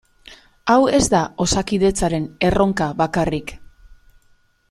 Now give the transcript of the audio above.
Hau ez da Osakidetzaren erronka bakarrik.